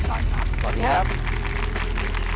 สวัสดีครับ